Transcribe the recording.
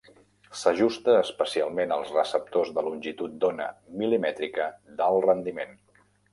S'ajusta especialment als receptors de longitud d'ona mil·limètrica d'alt rendiment.